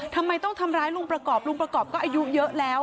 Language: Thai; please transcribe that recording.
ทำไมต้องทำร้ายลุงประกอบลุงประกอบก็อายุเยอะแล้ว